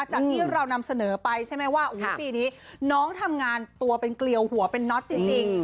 จากที่เรานำเสนอไปใช่ไหมว่าปีนี้น้องทำงานตัวเป็นเกลียวหัวเป็นน็อตจริง